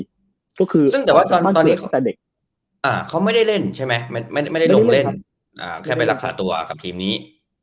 ซึ่งแต่ว่าเขาไม่ได้ลงเล่นใช่ไหมแค่ไปรักษาตัวกับทีมนี้